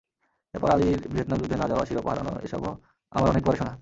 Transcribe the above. এরপর আলীর ভিয়েতনাম যুদ্ধে না-যাওয়া, শিরোপা হারানো এসবও আমার অনেক পরে শোনা।